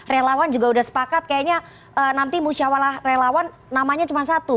relawan juga udah sepakat kayaknya nanti musyawalah relawan namanya cuma satu